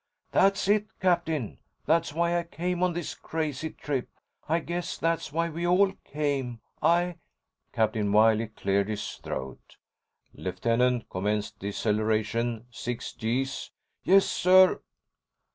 "That's it, Captain! That's why I came on this crazy trip. I guess that's why we all came. I...." Captain Wiley cleared his throat. "Lieutenant, commence deceleration. 6 G's." "Yes, sir!"